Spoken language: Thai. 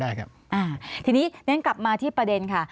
ได้ครับทีนี้กลับมาที่ประเด็นค่ะ